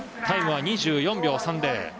タイムは２４秒３０。